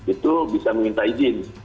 itu bisa meminta izin